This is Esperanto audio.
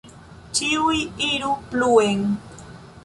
Ĉiuj iru pluen!